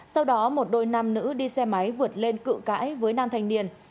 sau đó một đôi năm nữ đi xe máy vượt lên cự cãi với năm thanh niên